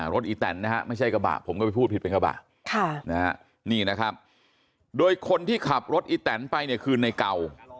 รถอีแตนนะครับไม่ใช่กระบะผมก็พูดผิดเป็นกระบะโดยคนที่ขับรถอีแตนไปเนี่ยคือในเก่า